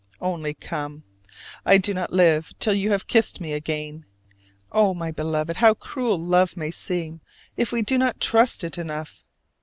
Only come: I do not live till you have kissed me again. Oh, my beloved, how cruel love may seem if we do not trust it enough!